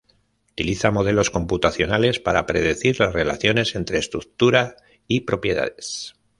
Utiliza modelos computacionales para predecir las relaciones entre estructura y propiedades.